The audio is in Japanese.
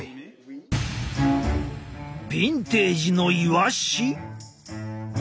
ビンテージのイワシ？